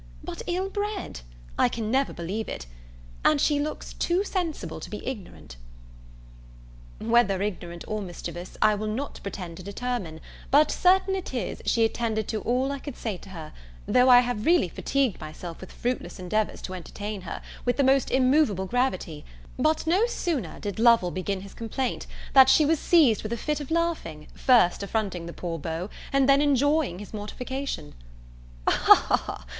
But ill bred? I can never believe it! And she looks too sensible to be ignorant." "Whether ignorant or mischievous, I will not pretend to determine; but certain it is, she attended to all I could say to her, though I have really fatigued myself with fruitless endeavours to entertain her, with the most immovable gravity; but no sooner did Lovel begin his complaint, than she was seized with a fit of laughing, first affronting the poor beau, and then enjoying his mortification." "Ha! ha! ha!